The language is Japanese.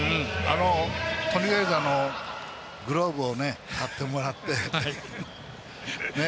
とりあえずグローブを買ってもらって。